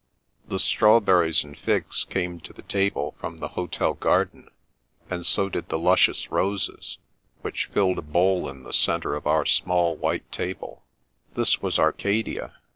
The strawberries and figs came to the table from the hotel garden, and so did the luscious roses, which filled a bowl in the centre of our small white table. Afternoon Calls 147 This was Arcadia.